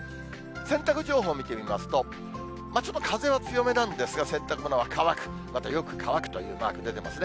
洗濯情報を見てみますと、ちょっと風は強めなんですが、洗濯物は乾く、またよく乾くというマーク出てますね。